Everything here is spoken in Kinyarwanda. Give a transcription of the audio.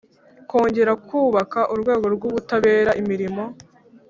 kongera kubaka urwego rw ubutabera imirimo